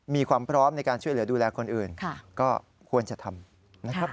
มีความพร้อมในการช่วยเหลือดูแลคนอื่นก็ควรจะทำนะครับ